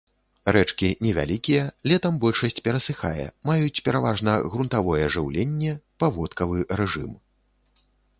Рэчкі невялікія, летам большасць перасыхае, маюць пераважна грунтавое жыўленне, паводкавы рэжым.